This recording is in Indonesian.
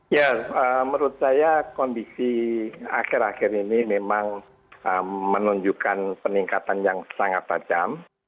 ya menurut saya kondisi akhir akhir ini memang menunjukkan peningkatan yang sangat tajam